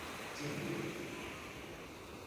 近日